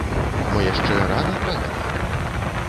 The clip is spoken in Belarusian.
Мо яшчэ рана пра гэта?